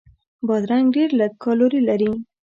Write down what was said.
بادرنګ ډېر لږ کالوري لري.